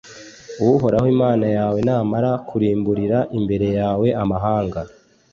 uhoraho imana yawe namara kurimburira imbere yawe amahanga